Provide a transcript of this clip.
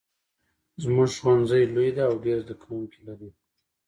زمونږ ښوونځی لوی ده او ډېر زده کوونکي لري